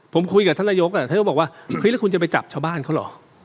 ผมคุยกับท่านนายกท่านนายกบอกว่าคุณจะไปจับชาวบ้านเขาหรอ